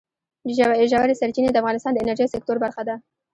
ژورې سرچینې د افغانستان د انرژۍ سکتور برخه ده.